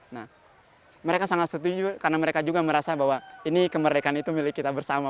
nah mereka sangat setuju karena mereka juga merasa bahwa ini kemerdekaan itu milik kita bersama